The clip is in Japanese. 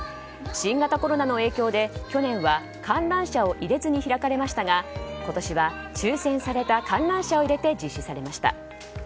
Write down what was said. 新型コロナの影響で去年は観覧者を入れずに開かれましたが今年は抽選された観覧者を入れて実施されました。